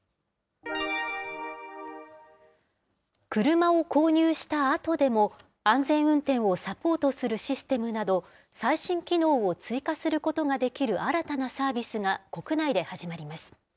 車を購入したあとでも、安全運転をサポートするシステムなど、最新機能を追加することができる新たなサービスが、国内で始まります。